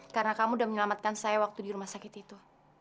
karena kamu sudah menyelamatkan saya waktu di rumah sakit itu